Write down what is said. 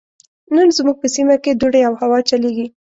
نن زموږ په سيمه کې دوړې او هوا چليږي.